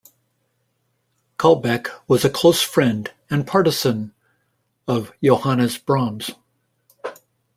Kalbeck was a close friend and partisan of Johannes Brahms.